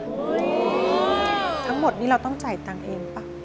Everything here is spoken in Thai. ทั้งหมดนี้เราต้องจ่ายตังค์เองป่ะ